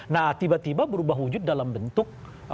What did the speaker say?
nah tiba tiba berubah wujud dalam bentuk